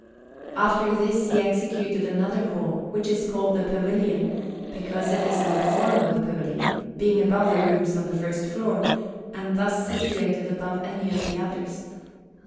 After this, he executed another hall, which is called the Pavilion, because it is in the form of a Pavilion, being above the rooms on the first floor, and thus situated above any of the others.